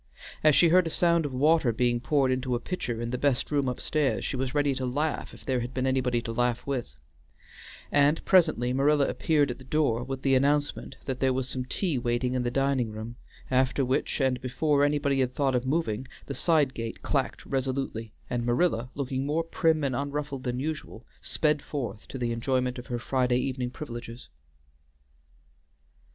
As she heard a sound of water being poured into a pitcher in the best room upstairs, she was ready to laugh if there had been anybody to laugh with, and presently Marilla appeared at the door with the announcement that there was some tea waiting in the dining room, after which and before anybody had thought of moving, the side gate clacked resolutely, and Marilla, looking more prim and unruffled than usual, sped forth to the enjoyment of her Friday evening privileges.